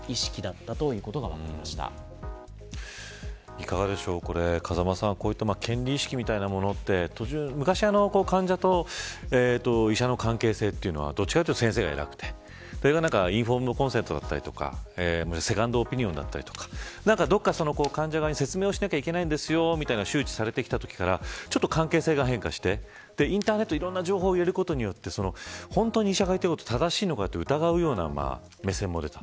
いかがでしょう、風間さん権利意識みたいなものって昔は患者と医者の関係性というのは、どっちかというと先生が偉くて、インフォームド・コンセントだったりセカンドオピニオンだったりどこか、患者側に説明をしなきゃいけないというのが周知されてきたときから関係性が変化してインターネットでいろんな情報を得ることで医者が正しいのか疑うような目線も出た。